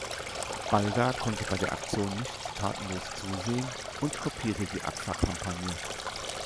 Balda konnte bei der Aktion nicht tatenlos zusehen und kopierte die Agfa-Kampagne.